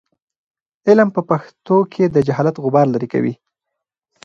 علم په پښتو کې د جهالت غبار لیرې کوي.